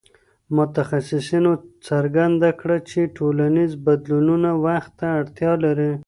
متخصصينو څرګنده کړه چي ټولنيز بدلونونه وخت ته اړتيا لري.